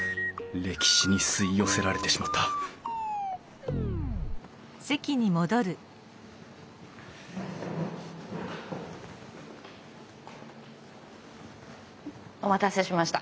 歴史に吸い寄せられてしまったお待たせしました。